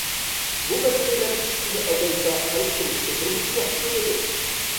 بۇ مەسىلىلەر كىچىككىنە ئازايسا، خەلق تۇرمۇشى بىر مۇنچە ياخشىلىنىدۇ.